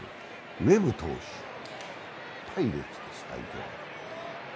ウェブ投手、パイレーツです、相手は。